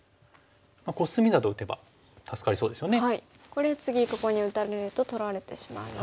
これ次ここに打たれると取られてしまうので打ちます。